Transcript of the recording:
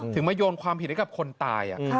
มาโยนความผิดให้กับคนตาย